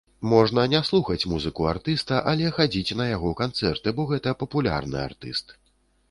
Можна не слухаць музыку артыста, але хадзіць на яго канцэрты, бо гэта папулярны артыст.